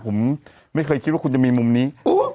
ผมไม่เคยคิดว่าคุณจะมีมุมนี้